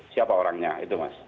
siapa orangnya itu mas